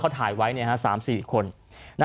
เขาถ่ายไว้๓๔คน